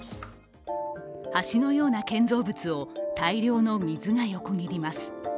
橋のような建造物を大量の水が横切ります。